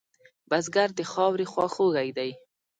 بزګر د خاورې خواخوږی دی